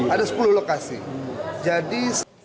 ada sepuluh lokasi